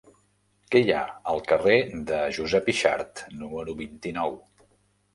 Què hi ha al carrer de Josep Yxart número vint-i-nou?